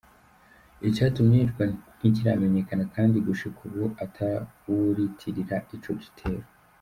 Icatumye yicwa ntikiramenyekana, kandi gushika ubu atawuriyitirira ico gitero.